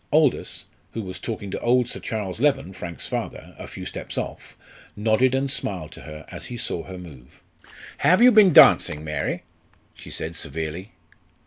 Aldous, who was talking to old Sir Charles Leven, Frank's father, a few steps off, nodded and smiled to her as he saw her move. "Have you been dancing, Mary?" she said severely.